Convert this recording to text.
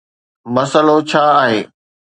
مسئلو ڇا آهي؟